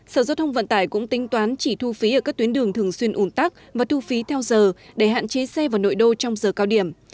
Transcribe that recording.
sở giao thông vận tải cũng tính toán chỉ thu phí ở các tuyến đường thường xuyên ủn tắc và thu phí theo giờ để hạn chế xe vào nội đô trong giờ cao điểm